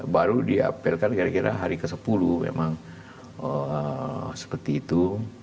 baru diapelkan kira kira hari ke sepuluh memang seperti itu